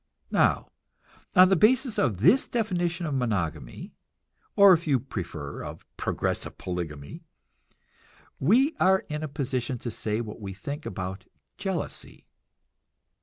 Now, on the basis of this definition of monogamy or, if you prefer, of progressive polygamy we are in position to say what we think about jealousy.